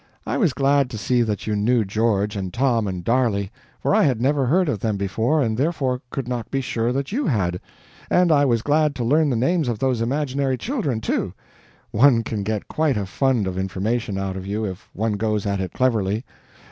I was glad to see that you knew George and Tom and Darley, for I had never heard of them before and therefore could not be sure that you had; and I was glad to learn the names of those imaginary children, too. One can get quite a fund of information out of you if one goes at it cleverly.